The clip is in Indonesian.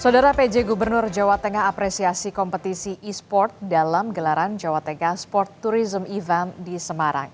saudara pj gubernur jawa tengah apresiasi kompetisi e sport dalam gelaran jawa tengah sport tourism event di semarang